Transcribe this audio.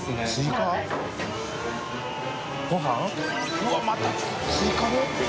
うわまた追加で？